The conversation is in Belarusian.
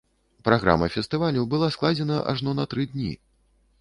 Праграма фестывалю была складзена ажно на тры дні.